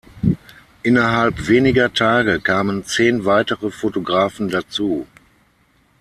Innerhalb weniger Tage kamen zehn weitere Fotografen dazu.